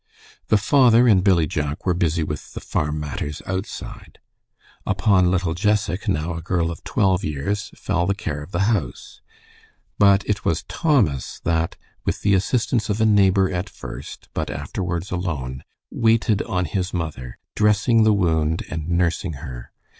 The father and Billy Jack were busy with the farm matters outside, upon little Jessac, now a girl of twelve years, fell the care of the house, but it was Thomas that, with the assistance of a neighbor at first, but afterwards alone, waited on his mother, dressing the wound and nursing her.